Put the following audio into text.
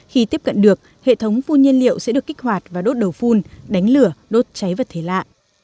khi tiếp cận được hệ thống phun nhiên liệu sẽ được kích hoạt và đốt đầu phun đánh lửa đốt cháy vật thể lạ